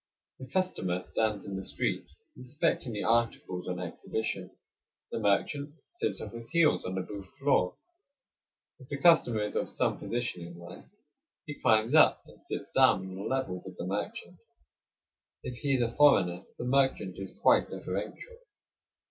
The customer stands in the street inspecting the articles on exhibition; the merchant sits on his heels on the booth floor. If the customer is of some position in life, he climbs up and sits down on a level with the merchant. If he is a foreigner, the merchant is quite deferential.